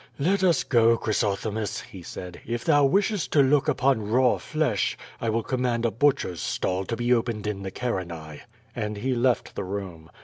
"Let us go, Chrysothemis/' he said, ^^f thou wishest to look upon raw flesh, I will command a butcher's stall to be opened in the Carinae." And he left the room.